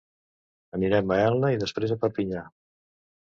Anirem a Elna i després a Perpinyà.